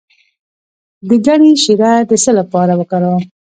د ګني شیره د څه لپاره وکاروم؟